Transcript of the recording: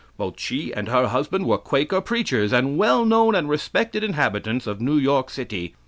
Both she and her husband were Quaker preachers, and well known and respected inhabitants of New York City.